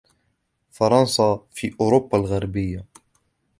فرنسا في أوروبا الغربية.